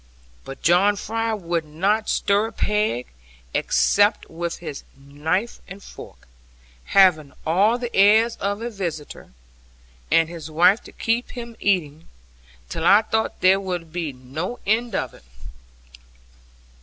But John Fry would not stir a peg, except with his knife and fork, having all the airs of a visitor, and his wife to keep him eating, till I thought there would be no end of it.